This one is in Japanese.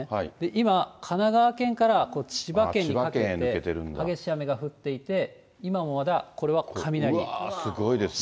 今、神奈川県から千葉県にかけて激しい雨が降っていて、今もまだこれうわ、すごいですね。